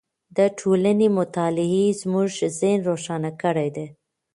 د ټولنې مطالعې زموږ ذهن روښانه کړی دی.